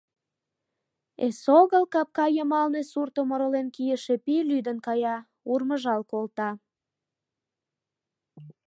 Эсогыл капка йымалне суртым оролен кийыше пий лӱдын кая, урмыжал колта.